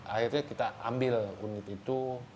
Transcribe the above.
akhirnya kita ambil unit itu